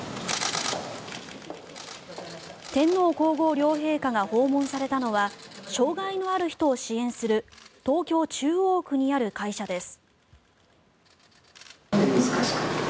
天皇・皇后両陛下が訪問されたのは障害のある人を支援する東京・中央区にある会社です。